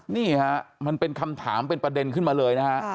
นี่ฮะมันเป็นคำถามเป็นประเด็นขึ้นมาเลยนะฮะ